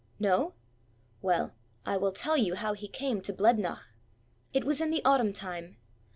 No? Well, I will tell you how he came to Blednoch. It was in the Autumn time.